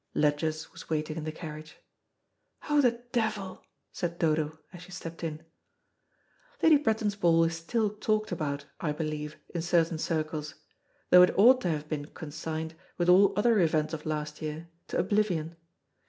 Ledgers was waiting in the carriage. "Oh, the devil," said Dodo, as she stepped in. Lady Bretton's ball is still talked about, I believe, in certain circles, though it ought to have been consigned, with all other events of last year, to oblivion.